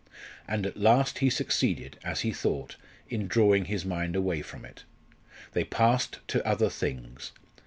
And at last he succeeded, as he thought, in drawing his mind away from it. They passed to other things.